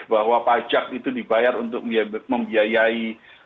bahwa pajak itu dibayar untuk membiayai